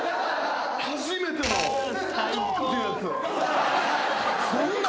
初めてのどーんっていうやつ。